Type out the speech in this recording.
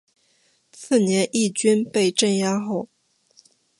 次年义军被镇压后。